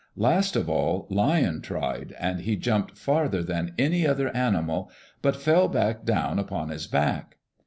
Last of all Lion tried, and he jumped farther than any other animal, but fell down upon his back.